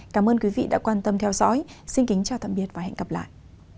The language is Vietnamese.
cảm ơn quý vị đã quan tâm theo dõi xin kính chào tạm biệt và hẹn gặp lại